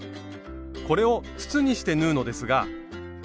これを筒にして縫うのですが。